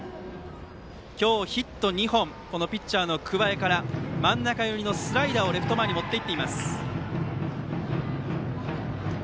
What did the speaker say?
今日ヒット２本ピッチャーの桑江から真ん中寄りのスライダーをレフト前に持っていっています湯浅。